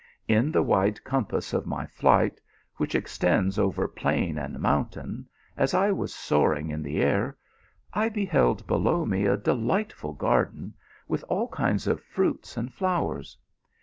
In the wide compass of my flight, which extends over plain and mountain, as I was soaring in the air, I beheld below me a delightful garden with all kinds of fruits and flowers.